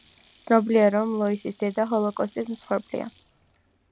ცნობილია, რომ ლოისის დედა ჰოლოკოსტის მსხვერპლია.